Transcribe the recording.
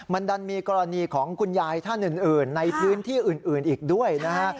มันดันมีกรณีของคุณยายท่านอื่นในพื้นที่อื่นอีกด้วยนะฮะ